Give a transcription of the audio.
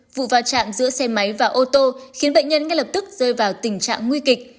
vụ va chạm giữa xe máy và ô tô khiến bệnh nhân ngay lập tức rơi vào tình trạng nguy kịch